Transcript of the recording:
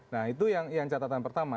nah itu yang catatan pertama